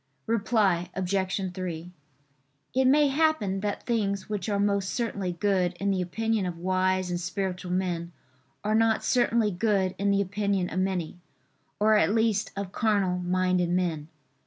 Reply Obj. 3: It may happen that things which are most certainly good in the opinion of wise and spiritual men are not certainly good in the opinion of many, or at least of carnal minded men.